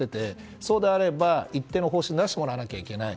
そうであれば一定の方針を出してもらわなければいけない。